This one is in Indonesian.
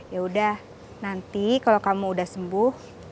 yaudah nanti kalau kamu udah sembuh